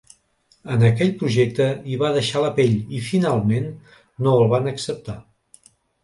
En aquell projecte hi va deixar la pell i finalment no el van acceptar.